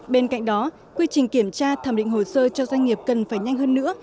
bên cạnh đó quy trình kiểm tra thẩm định hồ sơ cho doanh nghiệp cần phải nhanh hơn nữa